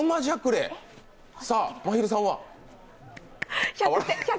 さあ、まひるさんは？